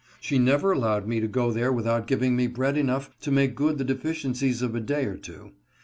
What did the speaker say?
She never allowed me to go there without giv ing me bread enough to make good the deficiencies ©f a day or two.